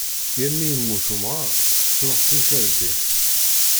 Yal mi yemmut umɣar tettruḥ temkerḍit.